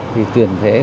thì tiền phế